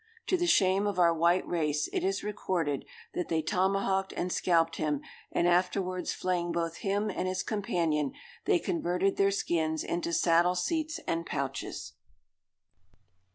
To the shame of our white race, it is recorded that "they tomahawked and scalped him: and afterwards flaying both him and his companion, they converted their skins into saddle seats and pouches!"